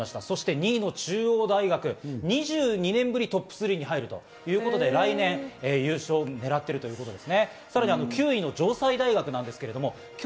２位の中央大学、２２年ぶりトップ３に入るということで、来年優勝を狙っているということです。